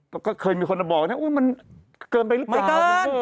เขาคือเป็นคนมันเกิดไปละกัน